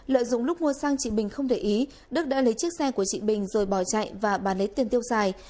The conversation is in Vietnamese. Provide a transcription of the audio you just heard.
lợi dụng lúc mua xăng chị bình không để ý đức đã lấy chiếc xe của chị bình rồi bỏ chạy và bán lấy tiền tiêu xài